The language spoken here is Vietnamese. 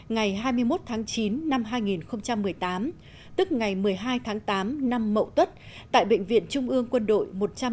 ngày hai mươi một tháng chín năm hai nghìn một mươi tám tức ngày một mươi hai tháng tám năm mậu tuất tại bệnh viện trung ương quân đội một trăm ba mươi